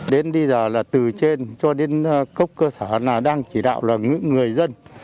đến bây giờ là từ trên cho đến cốc cơ sở đang chỉ đạo là người dân